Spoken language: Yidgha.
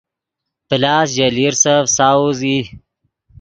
پلاس ژے لیرسف ساؤز ای